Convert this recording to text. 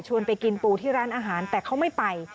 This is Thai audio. ไปกินปูที่ร้านอาหารแต่เขาไม่ไป